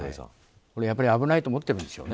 やっぱり危ないと思っているんでしょうね。